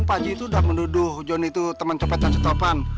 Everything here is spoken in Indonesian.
paji itu udah menduduk jonny itu teman copet dan si topan